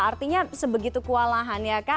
artinya sebegitu kualahan ya kak